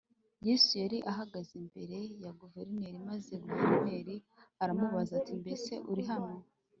Yesu yari ahagaze imbere ya guverineri maze guverineri aramubaza ati mbese uri hano